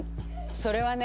それはね